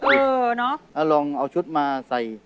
เออเนอะลองเอาชุดมาใส่